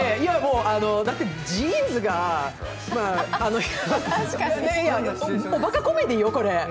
だってジーンズが、おバカコメディよ、これ。